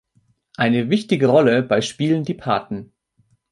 Eine wichtige Rolle bei spielen die Paten.